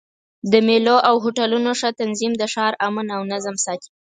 د مېلو او هوټلونو ښه تنظیم د ښار امن او نظم ساتي.